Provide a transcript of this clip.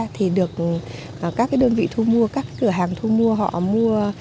thì được các cái đơn vị thu mua các cửa hàng thu mua họ mua